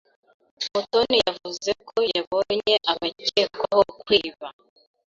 Mutoni yavuze ko yabonye abakekwaho kwiba